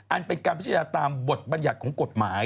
อันเป็นการพิชาตามบทบรรยาตร์ของกฎหมาย